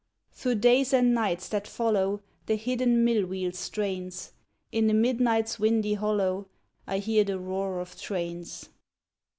Through days and nights that follow The hidden mill wheel strains; In the midnight's windy hollow I hear the roar of trains.